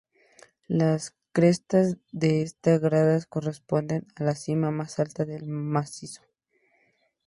Las crestas de estas gradas corresponden a las cimas más altas del macizo.